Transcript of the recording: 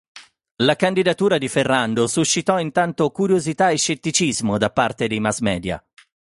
La candidatura di Ferrando suscitò intanto curiosità e scetticismo da parte dei mass-media.